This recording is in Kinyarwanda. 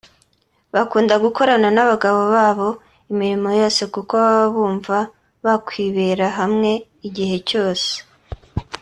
Bakunda gukorana n’abagabo babo imirimo yose kuko baba bumva bakwibera hamwe igihe cyose